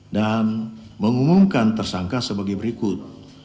dan mengumumkan tersangka sebagai berikut